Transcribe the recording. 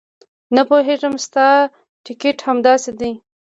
نه پوهېږم ستا ټیکټ همداسې دی.